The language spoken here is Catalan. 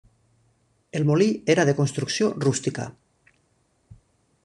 El molí era de construcció rústica.